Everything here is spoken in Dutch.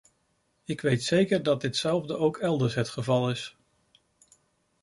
Ik weet zeker dat ditzelfde ook elders het geval is.